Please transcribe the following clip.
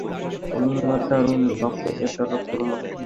তোমরা দারুন ভাবে এটার প্রমোশন করেছ।